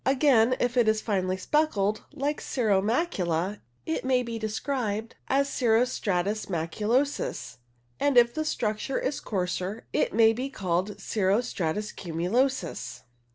Again, if it is finely speckled, like cirro macula, it may be described as cirro stratus macu losus, and if the structure is coarser it may be called cirro stratus cumulosus.